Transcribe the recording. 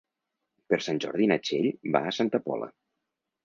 Per Sant Jordi na Txell va a Santa Pola.